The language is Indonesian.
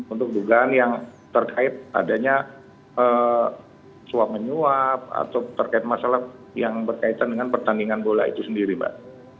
untuk dugaan yang terkait adanya suap menyuap atau terkait masalah yang berkaitan dengan pertandingan bola itu sendiri mbak